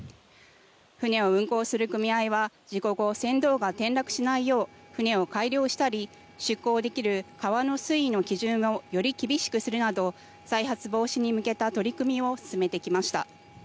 船を運航する組合は事故後、船頭が転落しないよう船を改良したり出航できる川の水位の基準をより厳しくするなど再発防止に向けた取り組みを進めてきました。